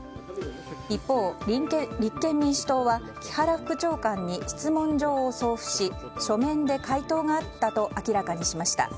一方、立憲民主党は木原副長官に質問状を送付し書面で回答があったと明らかにしました。